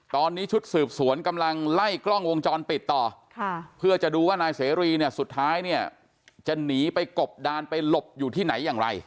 ตอนนี้ชุดสืบสวนกำลังไล่กล้องวงจรปิดต่อเพื่อจะดูว่านายเสรีเนี่ยสุดท้ายเนี่ยจะหนีไปกบดานไปหลบอยู่ที่ไหนอย่างไร